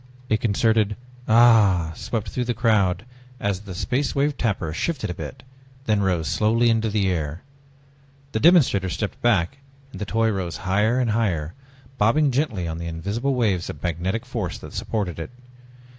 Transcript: A concerted ahhhh swept through the crowd as the Space Wave Tapper shivered a bit, then rose slowly into the air. The demonstrator stepped back and the toy rose higher and higher, bobbing gently on the invisible waves of magnetic force that supported it.